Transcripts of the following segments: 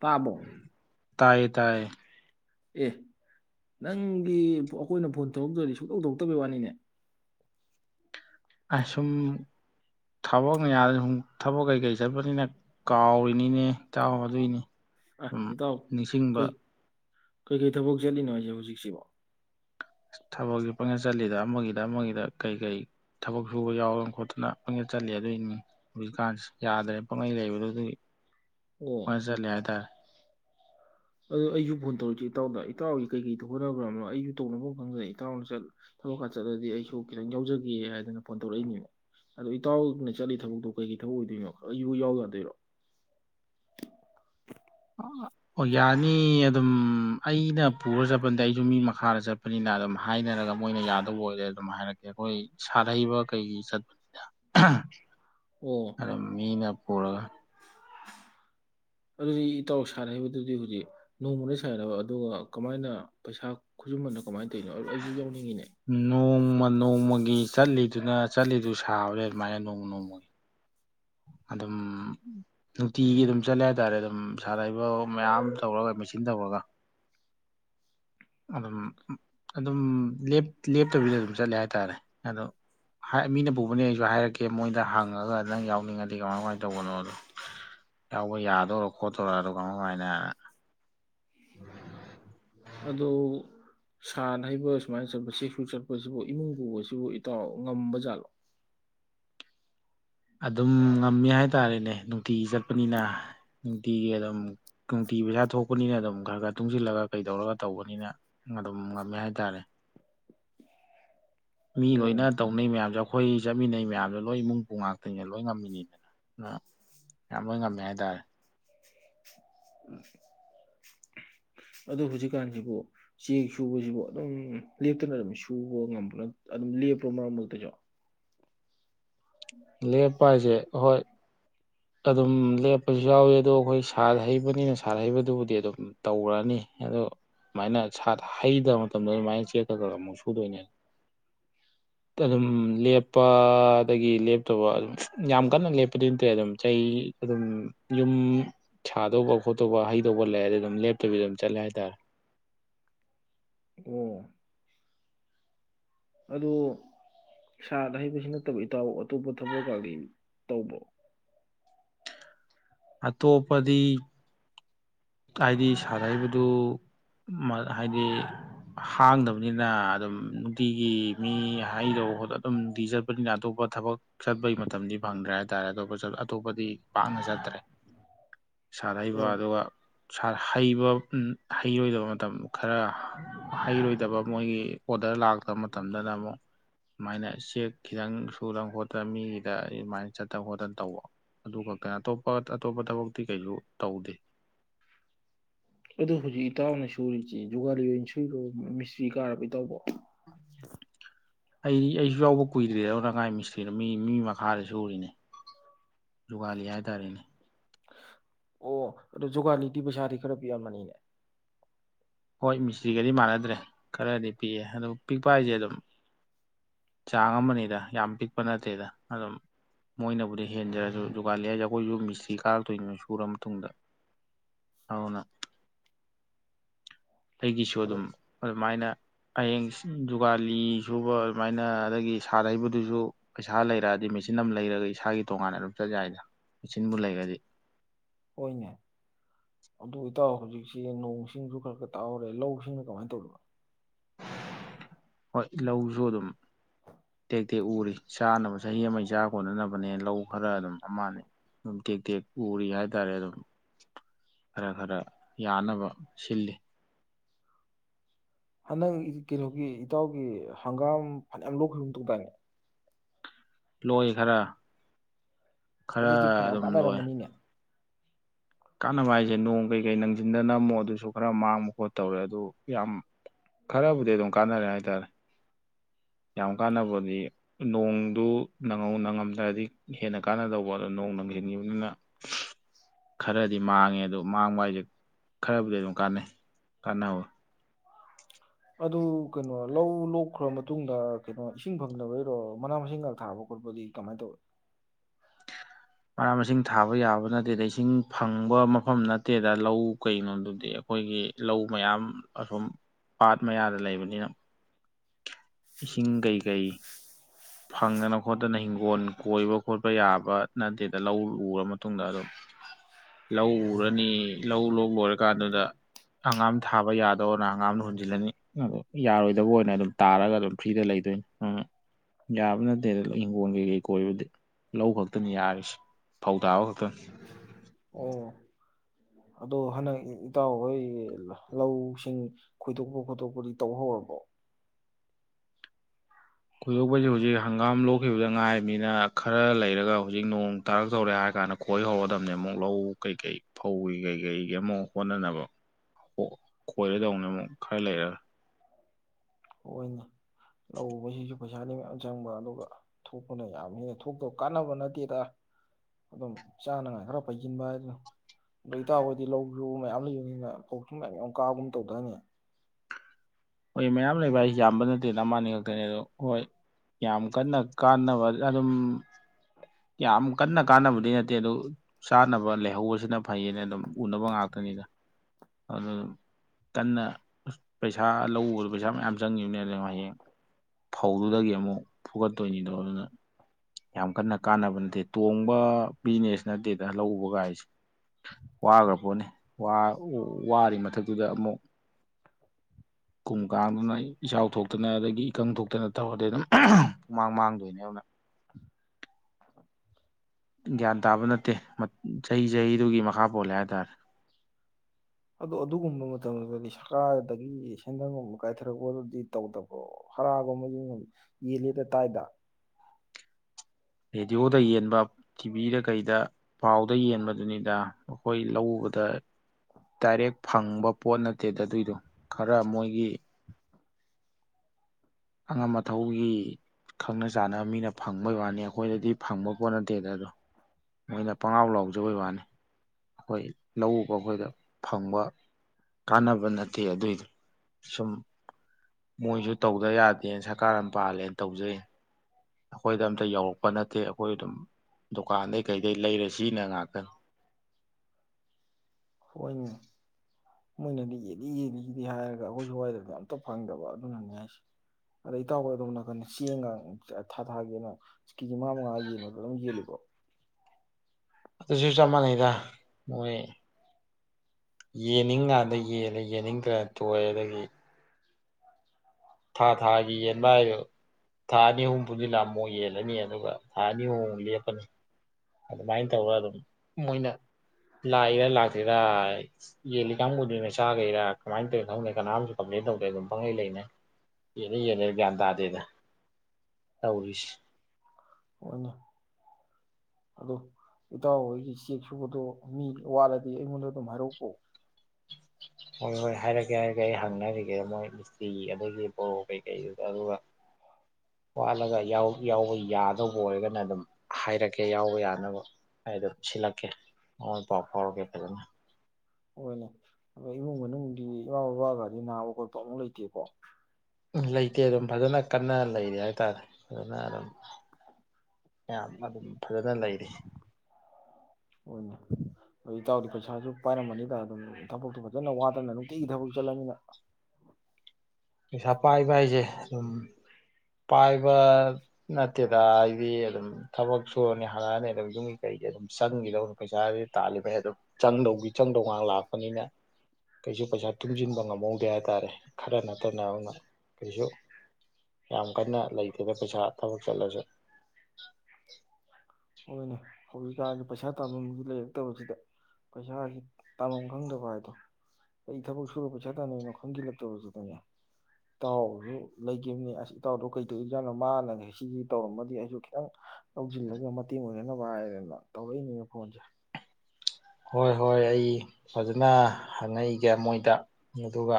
ꯄꯥꯕꯣ ꯇꯥꯌꯦ ꯇꯥꯌꯦ꯫ ꯑꯦ ꯅꯪꯒꯤ ꯄꫭ ꯑꯈꫭꯏꯅ ꯐꫭꯟ ꯇꯧꯔꯛꯇꯗꯤ ꯁꯨꯛꯇꯧ ꯇꯧꯔꯛꯇꯕꯩ ꯋꯥꯅꯤꯅꯦ꯫ ꯑꯥ ꯁꯨꯝ ꯊꯥꯕꯛꯅ ꯌꯥꯗ ꯁꯨꯝ ꯊꯕꯛ ꯀꯩꯀꯩ ꯆꯠꯄꯅꯤꯅ ꯀꯥꯎꯔꯤꯅꯤꯅꯦ ꯏꯇꯥꯎ ꯑꯗꯨꯏꯅꯤ꯫ ꯑ ꯑꯝ ꯏꯇꯥꯎ ꯅꯤꯡꯁꯤꯡꯕ ꯀꯩ ꯀꯩ-ꯀꯩ ꯊꯕꯛ ꯆꯠꯂꯤꯅꫭ ꯍꯥꯏꯁꯦ ꯍꯧꯖꯤꯛꯁꯤꯕꫭ꯫ ꯊꯕꯛꯁꯨ ꯄꯪꯆꯠꯆꯠꯂꯤꯗ ꯑꯃꯒꯤꯗ ꯑꯃꯒꯤꯗ ꯀꯩ-ꯀꯩ ꯊꯕꯛ ꯁꯨꯕ ꯌꯥꯎꯔ ꯈꫭꯠꯇꯅ ꯄꯪꯆꯠ ꯆꯠꯂꯤ ꯑꯗꯨꯏꯅꯤ ꯍꯩꯖꯤꯛꯀꯥꯟꯁꯤ ꯌꯥꯗ꯭꯭ꯔꯦ ꯄꯪꯂꯩ ꯂꯩꯕꯗꯨ ꯑꯗꯨꯒꯤ꯫ ꯑꯣ [unintelligible] ꯆꯠꯂꯤ ꯍꯥꯏꯇꯥꯔꯦ꯫ ꯑꯗꫭ ꯑꯩꯁꯨ ꯐꫭꯟ ꯇꯧꯔꯛꯇ꯭꯭ꯔꯤ ꯏꯇꯥꯎꯗ ꯏꯇꯥꯎꯒꯤ ꯀꯩ-ꯀꯩ ꯊꯧ ꯍꫭꯠꯅꯒ꯭ꯔꯕꯅ‌ꯣ ꯑꯩꯁꯨ ꯇꯧꯅꯕ ꯐꯪꯗꯩ ꯏꯇꯥꯎꯅ ꯆꯠ ꯑꯃꯨꯛꯀ ꯆꯠꯂꯗꯤ ꯑꯩꯁꯨ ꯈꯤꯇꯪ ꯌꯥꯎꯖꯒꯦ ꯍꯥꯏꯗꯅ ꯐꫭꯟ ꯇꯧꯔꯛꯏꯅꯦ ꯑꯗꫭ ꯏꯇꯥꯎꯅ ꯆꯠꯂꯤ ꯊꯕꯛꯇꯨ ꯀꯩꯒꯤ ꯊꯕꯛ ꯑꫭꯏꯗꫭꯏꯅꫭ ꯑꯩꯖꯨ ꯌꯥꯎ ꯌꯥꯗꫭꯏꯔꫭ꯫ ꯍꫭꯏ ꯌꯥꯅꯤ ꯑꯗꯨꯝ ꯑꯩꯅ ꯄꯨꯔ ꯆꯠꯄꯟꯗꯦ ꯑꯩꯁꯨ ꯃꯤ ꯃꯈꯥꯗ ꯆꯠꯄꯅꯤꯅ ꯑꯗꯨꯝ ꯍꯥꯏꯅꯔꯒ ꯃꫭꯏꯅ ꯌꯥꯗꯧꯕ ꯑꫭꯏꯗꯤ ꯑꯗꯨꯝ ꯍꯥꯏꯔꯛꯀꯦ ꯑꯈꫭꯏ ꯁꯥꯠ ꯍꯩꯕ ꯀꯩꯒꯤ ꯆꯠꯄꯅꯤꯗ꯫ ꯑꯣ ꯑꯗꯨꯝ ꯃꯤꯅ ꯄꯨꯔꯒ ꯑꯗꯨꯗꯤ ꯏꯇꯥꯎ ꯁꯥꯠ ꯍꯩꯕꯗꯨꯗꯤ ꯍꯩꯖꯤꯛ ꯅꫭꯡꯃꯗ ꯁꯥꯏꯔꯕ ꯑꯗꯨꯒ ꯀꯃꯥꯏꯅ ꯄꯩꯁꯥ ꯈꯨꯖꯤꯟꯕꯅ ꯀꯃꯥꯏ ꯇꯧꯏꯅꫭ ꯑꯩꯁꯨ ꯌꯥꯎꯅꯤꯡꯏꯅꯦ ꯅꫭꯡꯃ-ꯅꫭꯡꯃꯒꯤ ꯆꯠꯂꯤꯗꯨꯅ ꯆꯠꯂꯤꯗꯨ ꯁꯥꯕ ꯗꯨꯃꯥꯏꯅ ꯅꫭꯡꯃ ‌ꯅꫭꯡꯃꯒꯤ꯫ ꯑꯗꯨꯝ ꯅꯨꯡꯇꯤꯒꯤ ꯑꯗꯨꯝ ꯆꯠꯂꯦ ꯍꯥꯏꯇꯥꯔꯦ ꯑꯗꯨꯝ ꯁꯥꯔꯛꯏꯕ ꯃꯌꯥꯝ ꯇꯧꯔꯒ ꯃꯦꯆꯤꯟ ꯇꯧꯔꯒ ꯑꯗꯨꯝ ꯝ ꯑꯗꯨꯝ ꯂꯦꯞ ꯂꯦꯞꯇꯕꯤꯗ ꯑꯗꯨꯝ ꯆꯠꯂꯦ ꯍꯥꯏꯇꯥꯔꯦ ꯑꯗꫭ ꯍꯥꯏ ꯃꯤꯅ ꯄꯨꯕꯅꯤ ꯑꯩꯁꯨ ꯍꯥꯏꯔꯛꯀꯦ ꯃꫭꯏꯗ ꯍꯪꯑꯒ ꯑꯗ ꯅꯪ ꯌꯥꯎ ꯅꯤꯡꯑꯗꯤ ꯀꯃꯥꯏ-ꯀꯃꯥꯏ ꯇꯧꯕꯅꫭ ꯑꯗꫭꯌꯥꯎꯕ ꯌꯥꯗꯧꯔꫭ ꯈꫭꯠꯇꯧꯔꫭ ꯑꯗꯨ ꯀꯃꯥꯏ-ꯀꯃꯥꯏ ꯅ [unintelligible] ꯑꯗꫭ ꯁꯥꯠ ꯍꯩꯕ ꯁꯨꯃꯥꯏ ꯆꯠꯄ ꯆꯦꯛ ꯁꯨꯕ ꯆꯠꯄꯁꯤꯕꯨ ꯏꯃꯨꯡ ꯄꯨꯕꯁꯤꯕꯨ ꯏꯇꯥꯎ ꯉꯝꯕꯖꯥꯠꯂꫭ꯫ ꯑꯗꯨꯝ ꯉꯝꯏ ꯍꯥꯏꯇꯥꯔꯦꯅꯦ ꯅꯨꯡꯇꯤꯒꯤ ꯆꯠꯄꯅꯤꯅ ꯅꯨꯡꯇꯤꯒꯤ ꯑꯗꯨꯝ ꯀꯪꯇꯤꯕ ꯆꯥꯊꫭꯛꯄꯅꯤꯅ ꯑꯗꯨꯝ ꯈꯔ-ꯈꯔ ꯇꯨꯡꯖꯤꯜꯂꯒ ꯀꯩꯗꯧꯔꯒ ꯇꯧꯕꯅꯤꯅ ꯑꯗꯨꯝ ꯉꯝꯏ ꯍꯥꯏꯇꯥꯔꯦ꯫ ꯃꯤ ꯂꫭꯏꯅ ꯑꯣ ꯇꯧꯅꯩ ꯃꯌꯥꯝꯁꯦ ꯑ ꯈꫭꯏ ꯆꯠꯃꯤꯝꯅꯩ ꯃꯌꯥꯝꯁꯨ ꯂꫭꯏ ꯏꯃꯨꯡ ꯄꯨ ꯉꯥꯛꯇ ꯇꯩꯅ ꯂꫭꯏ ꯉꯝꯃꯤꯅꯤꯗꯅ ꯌꯥꯝꯕ ꯉꯝꯑꯦ ꯍꯥꯏꯇꯥꯔꯦ꯫ ꯑꯗꫭ ꯍꯧꯖꯤꯛꯀꯥꯟꯁꯤꯕꫭ ꯆꯦꯛ ꯁꯨꯕꯁꯤꯕꯨ ꯑꯗꯨꯝ ꯂꯦꯞꯇꯅ ꯑꯗꯨꯝ ꯁꯨꯕ ꯉꯝꯕ꯭ꯔꫭ ꯅꯠ ꯑꯗꯨꯝ ꯂꯦꯄ꯭ꯔ ꯃꯔꯛ-ꯃꯔꯛ ꯇꯁꯨ꯫ ꯂꯦꯞꯄ ꯍꯥꯏꯁꯤ ꯍꫭꯏ ꯑꯗꯨꯝ ꯂꯦꯞꯄꯁꯨ ꯌꯥꯎꯏ ꯑꯗꫭ ꯑꯈꫭꯏ ꯁꯥꯠ ꯍꯩꯕꯅꯤꯅ ꯁꯥꯠ ꯍꯩꯕꯗꯨꯕꯨꯗꯤ ꯑꯗꯨꯝ ꯇꯧꯔꯅꯤ ꯑꯗꫭ ꯃꯥꯏꯅꯠ ꯁꯥꯠ ꯍꯩꯗꯕ ꯃꯇꯝꯗ ꯑꯗꯨꯝ ꯆꯦꯛꯀ ꯈꯔ ꯑꯃꯨꯛ ꯁꯨꯗꫭꯏꯅꯦ ꯇꯅꯨꯝ ꯂꯦꯞꯄꯥ ꯑꯗꯒꯤ ꯂꯦꯞꯇꯕ ꯌꯥꯝ ꯀꯟꯅ ꯂꯦꯞꯄꯗꯤ ꯅꯠꯇꯦ ꯗꯨꯝ ꯑꯩ ꯑꯗꯨꯝ ꯌꯨꯝ ꯁꯥꯗꯧꯕ ꯈꫭꯠꯇꯧꯕ ꯍꯩꯗꯧꯕ ꯂꯩꯔꯗꯤ ꯗꯨꯝ ꯂꯦꯞꯇꯕꯤꯗ ꯆꯠꯂꯦ ꯍꯥꯏꯇꯥꯔꯦ꯫ ꯑꯗꫭ ꯁꯥꯠ ꯍꯩꯕꯁꯤ ꯅꯠꯇꯕ ꯏꯇꯥꯎ ꯑꯇꫭꯞꯄ ꯊꯕꯛ ꯀꯥꯗꯤ ꯇꯧꯕ꯭ꯔꫭ꯫ ꯑꯇꫭꯞꯄꯗꯤ ꯍꯥꯏꯗꯤ ꯁꯥꯠ ꯍꯩꯕꯗꯨ ꯃ ꯍꯥꯏꯗꯤ ꯍꯥꯡꯗꯕꯅꯤꯅꯥ ꯑꯗꯨꯝ ꯅꯨꯡꯇꯤꯒꯤ ꯃꯤ ꯍꯥꯏꯗꯧ ꯍꫭꯠ ꯑꯗꯨꯝ ꯅꯨꯡꯇꯤꯒꯤ ꯆꯠꯄꯅꯤꯅꯥ ꯑꯇꫭꯞꯄ ꯊꯕꯛ ꯆꯠꯄꯩ ꯃꯇꯝꯗꯤ ꯐꯪꯗ꯭ꯔꯦ ꯍꯥꯏꯇꯥꯔꯦ ꯑꯇꫭꯞꯄ ꯆꯇ ꯑꯇꫭꯞꯄꯗꯤ ꯄꯥꯛꯅ ꯆꯠꯇ꯭ꯔ꯫ꯦ ꯁꯥꯠ ꯍꯩꯕ ꯑꯣ ꯑꯗꯨꯒ ꯁꯥꯠ ꯍꯩꯕ ꯝ ꯍꯩꯔꫭꯏꯗꯕ ꯃꯇꯝꯗ ꯈꯔ ꯍꯩꯔꫭꯏꯗꯕ ꯃꫭꯏꯒꯤ ꯑꫭꯗꯔ ꯂꯛꯇ ꯃꯇꯝꯗꯅ ꯑꯃꯨꯛ ꯃꯥꯏꯅ ꯆꯦꯛ ꯈꯤꯇꯪ ꯁꯨꯗꯅꯈꫭꯠꯇꯅ ꯃꯤꯒꯤꯗ ꯗꯨꯃꯥꯏꯅ ꯆꯠꯇꯅ ꯍꫭꯠꯇꯅ ꯇꯧꯕ ꯑꯗꯨꯈꯛꯇꯅ ꯑꯇꫭꯞꯄ ꯑꯇꫭꯞꯄ ꯊꯕꯛꯇꯤ ꯀꯩꯁꯨ ꯇꯧꯗꯦ꯫ ꯑꯗꯨ ꯍꯧꯖꯤꯛ ꯏꯇꯥꯎꯅ ꯁꯨꯔꯤꯁꯤ ꯖꯨꯒꯥꯂꯤ ꯑꫭꯏꯅ ꯁꯨꯏꯔꫭ ꯃꯤꯁꯇꯤ ꯀꯥꯔꯕꯩ ꯇꯧꯕꫭ ꯑꯩ ꯑꯩꯁꯨ ꯌꯥꯎꯕ ꯀꯨꯏꯗ꯭ꯔꯤ ꯑꯗꯨꯅ ꯀꯥꯏ ꯃꯤꯁꯇ꯭ꯔꯤꯅꫭ ꯃꯤ ꯃꯤ ꯃꯈꯥꯗ ꯁꯨꯔꯤꯅꯤ ꯖꯨꯒꯥꯂꯤ ꯍꯥꯏꯇꯥꯔꯦꯅꯦ꯫ ꯑꫭ ꯑꯗꫭ ꯖꯨꯒꯥꯂꯤꯗꯤ ꯄꯩꯁꯥꯗꯤ ꯈꯔ ꯄꯤꯛꯑꯝꯑꯅꯤꯅꯦ꯫ ꯍꫭꯏ ꯃꯤꯁꯇ꯭ꯔꯤꯒꯗꯤ ꯃꯥꯅꯗ꯭꯭ꯔꯦ ꯈꯔꯗꯤ ꯄꯤꯛꯑꯦ ꯑꯗꫭ ꯄꯤꯛꯄ ꯍꯥꯏꯁꯦ ꯑꯗꯨꯝ ꯆꯥꯡ ꯑꯃꯅꯤꯗ ꯌꯥꯝ ꯄꯤꯛꯄ ꯅꯠꯇꯦꯗ ꯑꯗꯨꯝ ꯃꫭꯏꯅ ꯕꯨꯗꯤ ꯍꯦꯟꯖꯔꯁꯨ ꯖꯨꯒꯥꯂꯤ ꯍꯥꯏꯁꯦ ꯑꯈꫭꯏꯁꯨ ꯃꯤꯍꯇ꯭ꯔꯤ ꯀꯥꯔꯛꯇꫭꯏꯅꯤ ꯁꯨꯔ ꯃꯇꯨꯡꯗ ꯑꯗꯨꯅ ꯑꯩꯒꯤꯁꯨ ꯑꯗꯨꯝ ꯑꯗꯨꯃꯥꯏꯅ ꯍꯥꯌꯦꯡ ꯖꯨꯒꯥꯂꯤ ꯁꯨꯕ ꯃꯥꯏꯅ ꯑꯗꯒꯤ ꯁꯥꯠ ꯍꯩꯕꯗꯨꯁꯨ ꯄꯩꯁꯥ ꯂꯩꯔꯛꯑꯗꯤ ꯃꯦꯆꯤꯟ ꯑꯃ ꯂꯩꯔꯒ ꯏꯁꯥꯒꯤ ꯇꫭꯉꯥꯟꯅ ꯑꯗꯨꯝ ꯆꯠ ꯌꯥꯏꯗ ꯃꯦꯆꯤꯟꯕꯨ ꯂꯩꯒ꯭ꯔꯗꯤ꯫ ꯍꫭꯏꯅꯦ ꯑꯗꯨ ꯏꯇꯥꯎ ꯍꯧꯖꯤꯛꯁꯤ ꯅꫭꯡ ꯏꯁꯤꯡꯁꯨ ꯈꯔ-ꯈꯔ ꯇꯥ ꯍꯧꯔꯦ ꯂꯧꯏꯁꯤꯡꯅ ꯀꯃꯥꯏ ꯇꯧꯔꯤꯕ꯫ ꯍꯣꯏ ꯂꯧꯁꯨ ꯑꯗꯨꯝ ꯇꯦꯛ ꯇꯦꯛ ꯎꯔꯤ ꯆꯥꯅꯕ ꯆꯍꯤ ꯑꯃꯩ ꯆꯥ ꯀꯣꯟꯅꯅꯕꯅꯦꯅ ꯂꯧ ꯈꯔ ꯗꯨꯝ ꯑꯃ ꯑꯅꯤ ꯇꯦꯛ ꯇꯦꯛ ꯗꯨꯝ ꯎꯔꯤ ꯍꯥꯏꯇꯥꯔꯦꯗꯨꯝ ꯈꯔ ꯈꯔ ꯌꯥꯅꯕ ꯁꯤꯜꯂꯤ ꯍꯟꯗꯛ ꯀꯩꯅꯣꯒꯤ ꯏꯇꯥꯎꯒꯤ ꯍꯪꯒꯥꯝ ꯐꯅꯌꯥꯝ ꯂꯣꯈ꯭ꯔꯒꯨꯝ ꯇꯧꯗꯥꯏꯅꯦ [unintelligible] ꯈꯔ ꯈꯔ ꯑꯗꯨꯗꯤ ꯐꯅꯌꯥꯝ ꯑꯗꯨꯝ ꯂꯣꯏ ꯀꯥꯟꯅꯔꯝꯃꯅꯤꯅꯦ ꯀꯥꯟꯅꯕ ꯍꯥꯏꯁꯦ ꯅꯣꯡ ꯀꯩ ꯀꯩ ꯅꯪꯁꯤꯟꯗꯅ ꯃꯨꯛ ꯑꯗꯨꯁꯨ ꯈꯔ ꯃꯥꯡꯕ ꯈꯣꯠ ꯇꯧꯔꯦ ꯑꯗꯣ ꯌꯥꯝ ꯈꯔꯕꯨꯗꯤ ꯗꯨꯝ ꯀꯥꯟꯅꯔꯦ ꯍꯥꯏ ꯇꯥꯔꯦ ꯌꯥꯝ ꯀꯥꯟꯅꯕꯗꯤ ꯅꯣꯡꯗꯣ ꯅꯪꯍꯧ ꯅꯪꯉꯝꯗꯗꯤ ꯍꯦꯟꯅ ꯀꯥꯟꯅꯗꯧꯕ ꯑꯗꯣ ꯅꯣꯡ ꯅꯪ ꯁꯤꯟꯈꯤꯕꯅꯤꯅ ꯈꯔꯗꯤ ꯃꯥꯡꯑꯦ ꯑꯗꯣ ꯃꯥꯡꯕ ꯍꯥꯏꯁꯦ ꯈꯔ ꯕꯨꯗꯤ ꯑꯗꯨꯝ ꯀꯥꯟꯅꯩ ꯀꯥꯟꯅ ꯑꯗꯨ ꯀꯩꯅꯣ ꯂꯧ ꯂꯣꯛꯈ꯭ꯔ ꯃꯇꯨꯡꯗ ꯀꯩꯅꯣ ꯏꯁꯤꯡ ꯐꯪꯗꯕꯩꯔꯣ ꯃꯅꯥ ꯃꯁꯤꯡꯀ ꯊꯥꯕ ꯈꯣꯠꯄꯗꯤ ꯀꯃꯥꯏ ꯇꯧꯏ ꯃꯅꯥ ꯃꯁꯤꯡ ꯊꯥꯕ ꯌꯥꯕ ꯅꯥꯠꯇꯦꯗ ꯏꯁꯤꯡ ꯐꯪꯕ ꯃꯐꯝ ꯅꯠꯇꯦꯗ ꯂꯧ ꯀꯩꯅꯣꯗꯨꯗꯤ ꯈꯣꯏꯒꯤ ꯂꯧ ꯃꯌꯥꯝ ꯑꯁꯣꯝ ꯄꯥꯠ ꯃꯌꯥꯗ ꯂꯩꯕꯅꯤꯅ ꯏꯁꯤꯡ ꯀꯩ ꯀꯩ ꯐꯪꯗꯅ ꯈꯣꯠꯇꯅ ꯍꯤꯡꯒꯣꯟ ꯀꯣꯏꯕ ꯈꯣꯠꯄ ꯌꯥꯕ ꯅꯠꯇꯦꯗ ꯂꯧ ꯎꯔ ꯃꯇꯨꯡꯗ ꯑꯗꯣ ꯂꯧ ꯎꯔꯅꯤ ꯂꯧ ꯂꯣꯛ ꯂꯣꯏꯔꯀꯥꯟꯗꯨꯗ ꯍꯪꯒꯥꯝ ꯊꯥꯕ ꯌꯥꯗꯧꯒꯅ ꯍꯪꯒꯥꯝ ꯍꯨꯟꯖꯤꯜꯂꯅꯤ ꯌꯥꯔꯣꯏꯗꯧꯕ ꯑꯣꯏꯔꯅ ꯑꯗꯨꯝ ꯇꯥꯔ ꯑꯗꯨꯝ ꯐ꯭ꯔꯤꯗ ꯂꯩꯗꯣꯏꯅꯦ ꯎꯝ ꯌꯥꯕ ꯅꯠꯇꯦꯗ ꯍꯤꯡꯒꯣꯟ ꯀꯩ ꯀꯩ ꯀꯣꯏꯕꯗꯤ ꯂꯧ ꯈꯛꯇꯅꯤ ꯌꯥꯔꯤꯁꯦ ꯐꯧ ꯇꯥꯕ ꯈꯛꯇꯪꯅꯤ ꯑꯣ ꯑꯗꯣ ꯍꯟꯗꯛ ꯏꯇꯥꯎ ꯍꯣꯏ ꯂꯧ ꯁꯤꯡ ꯈꯣꯏꯗꯣꯛꯄ ꯈꯣꯠꯇꯣꯛꯄꯗꯤ ꯇꯧ ꯍꯧꯔꯕꯣ ꯀꯨꯏꯍꯧꯕ ꯍꯥꯏꯖꯦ ꯍꯧꯖꯤꯛ ꯍꯪꯒꯥꯝ ꯂꯣꯛꯈꯤꯕꯗ ꯉꯥꯏꯔꯤꯕꯅꯤꯅ ꯈꯔ ꯂꯩꯔꯒ ꯍꯧꯖꯤꯛ ꯅꯣꯡ ꯇꯥꯔꯛ ꯇꯧꯔꯦ ꯍꯥꯏ ꯀꯥꯟꯗ ꯈꯣꯏ ꯍꯧꯔꯗꯝꯅꯦ ꯑꯃꯨꯛ ꯂꯧ ꯀꯩ ꯀꯩ ꯐꯧꯒꯤ ꯀꯩ ꯀꯩꯒꯤ ꯑꯃꯨꯛ ꯑꯣꯟꯅꯅꯕ ꯈꯣꯏꯔꯗꯧꯅꯦ ꯑꯃꯨꯛ ꯈꯔ ꯂꯩꯔꯒ ꯍꯣꯏꯅꯦ ꯂꯧ ꯎ ꯕ ꯁꯤꯁꯨ ꯄꯩꯁꯥ ꯗꯤ ꯃꯌꯥꯝ ꯆꯪꯕ ꯑꯗꯨꯒ ꯊꯣꯛ ꯄ ꯅ ꯌꯥꯝ ꯍꯦꯟꯅ ꯊꯣꯛꯇꯕ ꯀꯥꯟꯅꯕ ꯅꯠꯇꯦꯗ ꯑꯗꯨꯝ ꯆꯥꯅꯉꯥꯏ ꯈꯔ ꯄꯩꯁꯤꯟꯕ ꯍꯥꯏꯗꯨꯅꯦ ꯑꯗꯣ ꯏꯇꯥꯎ ꯍꯣꯏꯒꯤꯗꯤ ꯂꯧꯁꯨ ꯃꯌꯥꯝ ꯂꯩꯕꯅꯤꯅ ꯐꯧꯁꯨ ꯃꯌꯥꯝ ꯃꯌꯥꯝ ꯀꯥꯒꯨꯝ ꯇꯧꯗꯥꯏꯅꯦ ꯈꯣꯏꯒꯤ ꯃꯌꯥꯝ ꯂꯩꯕ ꯍꯥꯏꯖꯦ ꯌꯥꯝꯕ ꯅꯠꯇꯦꯗ ꯑꯃꯅꯤ ꯈꯛꯇꯅꯤ ꯑꯗꯣ ꯍꯣꯏ ꯌꯥꯝ ꯀꯟꯅ ꯀꯥꯟꯅꯕ ꯑꯗꯨꯝ ꯌꯥꯝ ꯀꯟꯅ ꯀꯥꯟꯅꯕꯗꯤ ꯅꯠꯇꯦ ꯑꯗꯣ ꯆꯥꯅꯕ ꯂꯩꯍꯧꯕꯁꯤꯅ ꯐꯩꯅ ꯑꯗꯨꯝ ꯎꯅꯕ ꯉꯥꯛꯇꯅꯤꯗ ꯑꯗꯨꯗꯨꯝ ꯀꯟꯅ ꯄꯩꯁꯥ ꯂꯧ ꯎꯕꯗ ꯄꯩꯁꯥ ꯃꯌꯥꯝ ꯆꯪꯒꯤꯝꯅꯦ ꯑꯗꯨꯅ ꯍꯌꯦꯡ ꯐꯧꯗꯨꯗꯒꯤ ꯑꯃꯨꯛ ꯐꯨꯒꯠꯇꯨꯏꯅꯤꯗꯣ ꯑꯗꯨꯅ ꯌꯥꯝ ꯀꯟꯅ ꯀꯥꯟꯅꯕ ꯅꯠꯇꯦ ꯇꯣꯡꯕ ꯕꯤꯖꯤꯅꯦꯁ ꯅꯠꯇꯦꯗ ꯂꯧ ꯎꯕ ꯀꯥꯏꯁꯦ ꯋꯥꯒ꯭ꯔ ꯄꯣꯠꯅꯤ ꯋꯥ ꯋꯥꯔꯤ ꯃꯊꯛ ꯇꯨꯗ ꯑꯃꯨꯛ ꯀꯨꯝ ꯀꯥꯡꯗꯅ ꯏꯆꯥꯎ ꯊꯣꯛꯇꯅ ꯑꯗꯒꯤ ꯏꯀꯪ ꯊꯣꯛꯇꯅ ꯇꯧꯔꯗꯤ ꯑꯗꯨꯝ ꯄꯨꯡꯃꯥꯡ ꯃꯥꯡꯗꯨꯏꯅꯦ ꯑꯗꯨꯅ ꯒ꯭ꯌꯥꯟ ꯇꯥꯕ ꯅꯠꯇꯦ ꯆꯍꯤ ꯆꯍꯤꯗꯨꯒꯤ ꯃꯈꯥ ꯄꯣꯜꯂꯦ ꯍꯥꯏꯇꯥꯔꯦ ꯑꯗꯣ ꯑꯗꯨꯒꯨꯝꯕ ꯃꯇꯝꯗꯨꯗꯗꯤ ꯁꯔꯀꯥꯔꯗꯒꯤ ꯁꯦꯟꯗꯪꯒꯨꯝꯕ ꯀꯥꯏꯊꯔꯛꯄꯗꯨꯗꯤ ꯇꯧꯗꯕ꯭ꯔꯣ ꯍꯥꯔ ꯒꯨꯝꯕ ꯌꯦꯜꯂꯦꯗ ꯇꯥꯏꯗ ꯔꯦꯗꯤꯑꯣꯗ ꯌꯦꯟꯕ ꯇꯤ ꯚꯤ ꯗ ꯀꯩꯗ ꯄꯥꯎꯗ ꯌꯦꯟꯕꯗꯨꯅꯤꯗ ꯑꯈꯣꯏ ꯂꯧ ꯎꯕꯗ ꯗꯤꯔꯦꯛ ꯐꯪꯕ ꯄꯣꯠ ꯅꯠꯇꯦꯗ ꯑꯗꯨꯏꯗꯨ ꯈꯔ ꯃꯣꯏꯒꯤ ꯑꯉꯝ ꯑꯊꯧꯒꯤ ꯈꯪꯅ ꯆꯥꯟꯅꯕ ꯃꯤꯅ ꯐꯪꯕꯩ ꯋꯥꯅꯦ ꯑꯈꯣꯏꯗꯗꯤ ꯐꯪꯕ ꯄꯣꯠ ꯅꯠꯇꯦꯗ ꯑꯗꯣ ꯃꯣꯏꯅ ꯄꯪꯂꯥꯎ ꯂꯥꯎꯖꯕꯩ ꯋꯥꯅꯦ ꯑꯈꯣꯏ ꯂꯧ ꯎꯕ ꯈꯣꯏꯗ ꯐꯪꯕ ꯀꯥꯟꯅꯕ ꯅꯠꯇꯦ ꯑꯗꯨꯏꯗꯣ ꯁꯨꯝ ꯃꯣꯏꯖꯨ ꯇꯧꯗ ꯌꯥꯗꯦ ꯁꯔꯀꯥꯔ ꯑꯃ ꯄꯥꯜꯂꯦꯅ ꯇꯧꯖꯩ ꯅꯦ ꯑꯈꯣꯏꯗ ꯑꯝꯇ ꯌꯧꯔꯛꯄ ꯅꯠꯇꯦ ꯑꯈꯣꯏ ꯑꯗꯨꯝ ꯗꯨꯀꯥꯟꯗꯩꯩ ꯀꯩꯗꯩ ꯂꯩꯔ ꯁꯤꯖꯤꯟꯅꯩ ꯉꯥꯛꯇꯅꯤ ꯍꯣꯏꯅꯦ ꯃꯣꯏꯅꯗꯤ ꯌꯦꯜꯂꯤ ꯌꯦꯜꯂꯤꯗꯤ ꯍꯥꯏꯔꯒ ꯑꯈꯣꯏ ꯁ꯭ꯋꯥꯏꯗꯗꯤ ꯑꯝꯇ ꯐꯪꯗꯕ ꯑꯗꯨꯅꯅꯦ ꯍꯥꯏꯁꯦ ꯑꯗꯣ ꯏꯇꯥꯎꯍꯣꯏ ꯑꯗꯣꯝ ꯅꯥꯀꯟꯗ ꯆꯦꯡꯒ ꯊꯥ ꯊꯥꯒꯤ ꯑꯣꯏꯅ ꯀꯦ ꯖꯤ ꯃꯉꯥ ꯃꯉꯥ ꯌꯦꯟꯕꯗꯥ ꯑꯗꯨꯝ ꯌꯦꯜꯂꯤ ꯀꯣ ꯑꯗꯨꯁꯨ ꯆꯞ ꯃꯥꯟꯅꯩꯗ ꯃꯣꯏ ꯌꯦꯟꯅꯤꯡ ꯀꯥꯟꯗ ꯌꯦꯜꯂꯦ ꯌꯦꯟ ꯅꯤꯡ ꯗ꯭ꯔꯒꯅ ꯇꯣꯛ ꯑꯦ ꯊꯥ ꯊꯥꯒꯤ ꯌꯦꯟꯕ ꯍꯥꯏꯗꯣ ꯊꯥ ꯑꯅꯤꯍꯨꯝ ꯄꯨꯟꯖꯤꯜꯂ ꯑꯃꯨꯛ ꯌꯦꯜꯂꯅꯤ ꯑꯗꯨꯒ ꯊꯥ ꯑꯅꯤꯍꯨꯝ ꯃꯨꯛ ꯂꯦꯞꯄꯅꯤ ꯑꯗꯨꯃꯥꯏꯅ ꯇꯧꯔ ꯗꯨꯝ ꯃꯣꯏꯅ ꯂꯥꯛꯏꯔꯥ ꯂꯥꯛꯇ꯭ꯔꯤꯔꯥ ꯌꯦꯜꯂꯤ ꯀꯥꯡꯕꯨꯗꯨꯅ ꯆꯥꯒ꯭ꯔꯤꯔ ꯀꯃꯥꯏꯅ ꯇꯧꯏꯅꯣ ꯈꯪꯗꯦ ꯀꯅꯥꯝꯁꯨ ꯀꯝꯄ꯭ꯂꯦꯟ ꯇꯧꯗꯦ ꯗꯨꯝ ꯄꯪꯂꯩ ꯂꯩꯅꯩ ꯌꯦꯜꯂꯤ ꯌꯦꯜꯂꯤ ꯒ꯭ꯌꯥꯟ ꯇꯥꯗꯦꯗ ꯇꯧꯔꯤꯁꯦ ꯍꯣꯏꯅꯦ ꯑꯗꯣ ꯏꯇꯥꯎ ꯍꯣꯏꯒꯤ ꯆꯦꯛ ꯁꯨꯕꯗꯣ ꯃꯤ ꯋꯥꯠꯂꯗꯤ ꯑꯩ ꯉꯣꯟꯗ ꯑꯗꯨꯝ ꯍꯥꯏꯔꯛ ꯎ ꯀꯣ ꯍꯣꯏ ꯍꯣꯏ ꯍꯥꯏꯔꯛꯀꯦ ꯍꯥꯏꯔꯛꯀꯦ ꯑꯩ ꯍꯪꯅꯒꯤꯒꯦ ꯃꯣꯏ ꯃꯤꯁꯇ꯭ꯔꯤ ꯑꯗꯩꯩ ꯕꯣꯔꯣ ꯀꯩ ꯀꯩ ꯑꯗꯨꯒ ꯋꯥꯠꯂꯒ ꯌꯥꯎ ꯌꯥꯎꯕ ꯌꯥꯗꯧꯕ ꯑꯣꯏꯔꯒꯅ ꯑꯗꯨꯝ ꯍꯥꯏꯔꯛꯀꯦ ꯌꯥꯎꯕ ꯌꯥꯅꯕ ꯑꯩ ꯑꯗꯨꯝ ꯁꯤꯜꯂꯛꯀꯦ ꯃꯥꯉꯣꯟꯗꯥ ꯄꯥꯎ ꯐꯥꯎꯔꯛꯀꯦ ꯐꯖꯅ ꯍꯣꯏꯅꯦ ꯏꯃꯨꯡ ꯃꯅꯨꯡꯗꯤ ꯏꯃꯥ ꯕꯥꯕꯥꯒꯗꯤ ꯅꯥꯕ ꯈꯣꯠꯄ ꯑꯝꯕꯣꯛ ꯂꯩꯇꯦꯀꯣ ꯂꯩꯇꯦ ꯑꯗꯨꯝ ꯐꯖꯅ ꯀꯟꯅ ꯂꯩꯔꯤ ꯍꯥꯏꯇꯥꯔꯦ ꯐꯖꯅ ꯑꯗꯨꯝ ꯐꯖꯅ ꯂꯩꯔꯤ [unintelligible] ꯏꯇꯥꯎꯗꯤ ꯄꯩꯁꯥꯁꯨ ꯄꯥꯏꯔꯝꯃꯅꯤꯗ ꯑꯗꯨꯝ ꯊꯕꯛꯇꯣ ꯐꯖꯅ ꯋꯥꯠꯇꯅ ꯅꯨꯡꯇꯤꯒꯤ ꯊꯕꯛ ꯆꯠꯂꯕꯅꯤꯅ ꯄꯩꯁꯥ ꯄꯥꯏꯕ ꯍꯥꯏꯁꯦ ꯑꯗꯨꯝ ꯄꯥꯏꯕ ꯅꯠꯇꯦꯗ ꯑꯩꯗꯤ ꯑꯗꯨꯝ ꯊꯕꯛ ꯁꯨꯔꯅꯤ ꯍꯜꯂꯛꯑꯅꯤ ꯑꯗꯨꯝ ꯌꯨꯝꯒꯤ ꯀꯩꯒꯤ ꯑꯗꯨꯝ ꯆꯪꯒꯤꯗꯧꯅꯦ ꯄꯩꯁꯥꯖꯤꯗꯤ ꯇꯥꯜꯂꯤꯒꯩ ꯑꯗꯨꯝ ꯆꯪꯗꯧꯒꯤ ꯆꯪꯗꯧ ꯉꯥꯛ ꯂꯥꯛ ꯄꯅꯤꯅ ꯀꯩꯁꯨ ꯄꯩꯁꯥ ꯇꯨꯡꯖꯤꯟꯕ ꯉꯝꯍꯧꯗꯦ ꯍꯥꯏꯇꯥꯔꯦ [unintelligible] [unintelligible] ꯀꯩꯁꯨ ꯌꯥꯝ ꯀꯟꯅ ꯂꯩꯇꯦꯗ ꯄꯩꯁꯥ ꯊꯕꯛ ꯆꯠꯂꯁꯨ ꯍꯣꯏꯅꯦ ꯍꯧꯖꯤꯛ ꯀꯥꯟꯁꯦ ꯄꯩꯁꯥ ꯇꯥꯟ ꯐꯝꯁꯨ ꯂꯩꯔꯛꯇꯕꯁꯤꯗ ꯄꯩꯁꯥꯁꯦ ꯇꯥꯟꯐꯝ ꯈꯪꯗꯕꯗꯣ ꯀꯩ ꯊꯕꯛ ꯁꯨꯔ ꯄꯩꯁꯥ ꯇꯥꯟꯗꯨꯏꯅꯣ ꯈꯪꯖꯤꯜꯂꯛꯇꯕꯗꯨꯗꯅꯦ ꯏꯇꯥꯎꯍꯣꯏꯁꯨ ꯂꯩꯒꯤꯝꯅꯤ ꯑꯁ ꯏꯇꯥꯎꯗꯨꯕꯨ ꯀꯩ ꯇꯧꯔꯤꯕ ꯖꯥꯠꯅꯣ ꯃꯥꯅꯒꯁꯤ ꯇꯧꯔꯝꯃꯗꯤ ꯑꯩꯁꯨ ꯈꯤꯇꯪ ꯌꯥꯎꯖꯤꯜꯂꯒ ꯇꯦꯡ ꯑꯣꯏꯅꯅꯕ ꯍꯥꯏꯗꯅ ꯇꯧꯔꯛꯏꯅꯤꯅꯦ ꯐꯣꯟꯁꯦ ꯍꯣꯏ ꯍꯣꯏ ꯑꯩ ꯐꯖꯅ ꯍꯪ ꯉꯛꯏꯒꯦ ꯃꯣꯏꯗ ꯑꯗꯨꯒ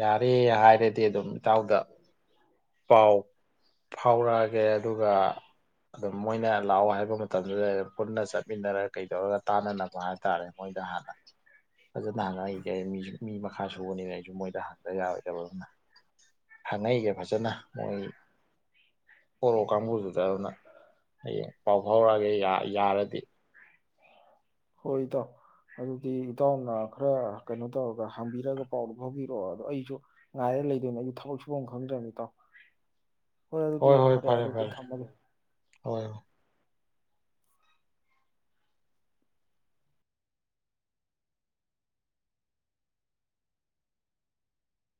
ꯌꯥꯔꯦ ꯍꯥꯏꯔꯗꯤ ꯑꯗꯨꯝ ꯏꯇꯥꯎꯗ ꯄꯥꯎ ꯐꯥꯎꯔꯛꯑꯒꯦ ꯑꯗꯨꯒ ꯃꯣꯏꯅ ꯂꯥꯛꯑꯣ ꯍꯥꯏꯕ ꯃꯇꯝꯗꯨꯗꯩꯗ ꯄꯨꯟꯅ ꯆꯠꯃꯤꯟꯅꯔ ꯀꯩꯗꯧꯔꯒ ꯇꯥꯅꯅꯕ ꯍꯥꯏꯇꯥꯔꯦ ꯃꯣꯏꯗ ꯍꯥꯟꯅ ꯐꯖꯅ ꯍꯪꯉ [unintelligible] ꯃꯤꯁꯨ ꯃꯤ ꯃꯈꯥ ꯁꯨꯕꯅꯤꯅ ꯑꯩꯁꯨ ꯃꯣꯏꯗ ꯍꯪꯗ ꯌꯥꯔꯣꯏꯗꯕꯝꯅ ꯍꯪꯉꯛꯏꯁꯦ [unintelligible] ꯃꯣꯏ ꯕꯣꯔꯣ ꯀꯥꯡꯒꯨꯗꯨꯗꯅ ꯌꯍꯦꯡ ꯄꯥꯎ ꯐꯥꯎꯔꯛꯑꯒꯦ ꯌꯥ ꯌꯔꯗꯤ ꯍꯣꯏ ꯏꯇꯥꯎ ꯑꯗꯨꯗꯤ ꯏꯇꯥꯎꯅ ꯈꯔ ꯀꯩꯅꯣ ꯇꯧꯔꯒ ꯍꯪꯕꯤꯔꯒ ꯄꯥꯎꯗꯨ ꯐꯥꯎꯕꯤꯔꯛꯑꯣ ꯑꯗꯣ ꯑꯩꯁꯨ ꯉꯥꯏꯔꯂꯩꯗꯣꯏꯅꯦ ꯑꯩꯁꯨ ꯊꯕꯛ ꯁꯨꯕꯝ ꯈꯪꯗ꯭ꯔꯝꯅꯤ ꯏꯇꯥꯎ ꯍꯣꯏ ꯑꯗꯨꯗꯤ ꯐꯔꯦ ꯑꯗꯨꯗꯤ ꯊꯝꯃꯒꯦ ꯍꯣꯏ ꯍꯣꯏ